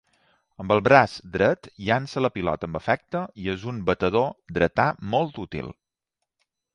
Amb el braç dret llança la pilota amb efecte i és un batedor dretà molt útil.